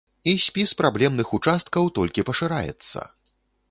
І спіс праблемных участкаў толькі пашыраецца.